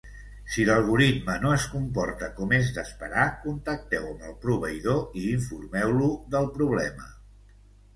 Si l'algoritme no es comporta com és d'esperar, contacteu amb el proveïdor i informeu-lo del problema.